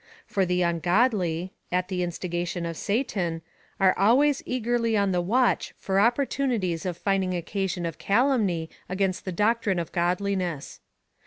For the ungodly, at the in stigation of Satan, are always eagerly on the watch ^ for opportunities of finding occasion of calumny against the doc trine of godliness.